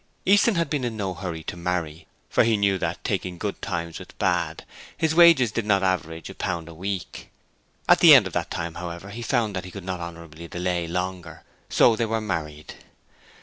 Easton had been in no hurry to marry, for he knew that, taking good times with bad, his wages did no average a pound a week. At the end of that time, however, he found that he could not honourably delay longer, so they were married.